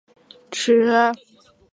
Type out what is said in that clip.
原县级贵池市改设贵池区。